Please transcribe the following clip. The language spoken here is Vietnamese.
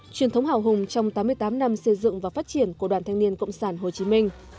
truyền thống hào hùng trong tám mươi tám năm xây dựng và phát triển của đoàn thanh niên cộng sản hồ chí minh